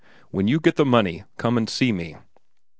When you get the money, come and see me."